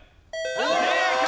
正解！